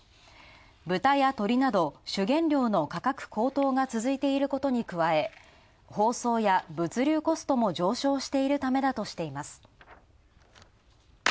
豚や鶏など主原料の価格高騰が続いていることに加え、包装や物流コストも上昇しているためだとしています。